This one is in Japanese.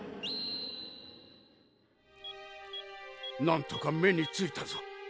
なんとか目に着いたぞ。